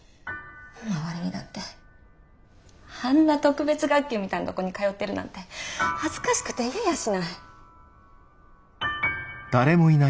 周りにだってあんな特別学級みたいなとこに通ってるなんて恥ずかしくて言えやしない。